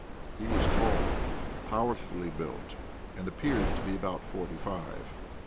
He was tall, powerfully built, and appeared to be about forty five.